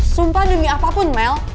sumpah demi apapun mel